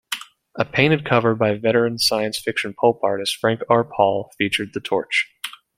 A painted cover by veteran science-fiction pulp artist Frank R. Paul featured the Torch.